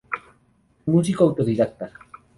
Músico autodidacta.